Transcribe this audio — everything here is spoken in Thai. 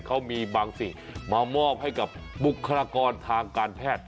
เขามีบางสิ่งมามอบให้กับบุคลากรทางการแพทย์